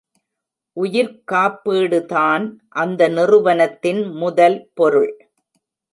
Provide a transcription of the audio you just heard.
உயிர்க் காப்பீடுதான் அந்த நிறுவனத்தின் முதல் பொருள்.